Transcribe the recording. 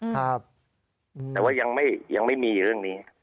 แต่ว่ายังไม่มีเรื่องนี้